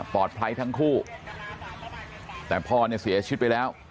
ทั้งคู่แต่พ่อเนี่ยเสียชีวิตไปแล้ว